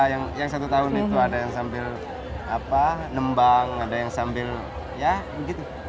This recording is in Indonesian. yang satu tahun itu ada yang sambil nembang ada yang sambil ya begitu